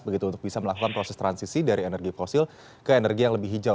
begitu untuk bisa melakukan proses transisi dari energi fosil ke energi yang lebih hijau